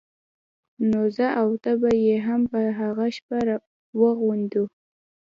نو زه او ته به يې هم په هغه شپه واغوندو.